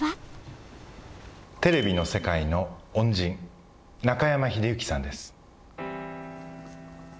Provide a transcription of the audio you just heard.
テレビの世界の恩人中山秀征さんです。